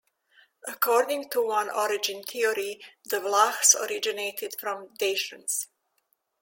According to one origin theory, the Vlachs originated from Dacians.